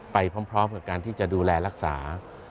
ไปพร้อมกับการที่จะดูแลรักษา